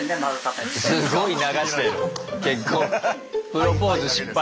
プロポーズ失敗。